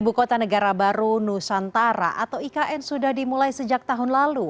ibu kota negara baru nusantara atau ikn sudah dimulai sejak tahun lalu